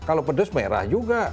kalau pedas merah juga